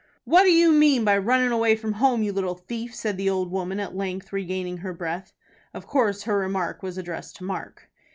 "What do you mean by runnin' away from home, you little thief?" said the old woman, at length regaining her breath. Of course her remark was addressed to Mark.